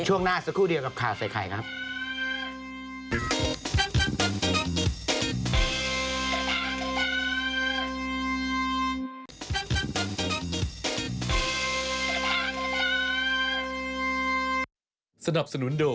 ช่วงหน้าสักครู่เดียวกับข่าวใส่ไข่ครับ